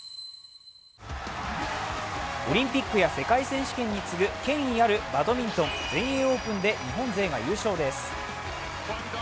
オリンピックや世界選手権に次ぐ権威あるバドミントン・全英オープンで日本勢が優勝です。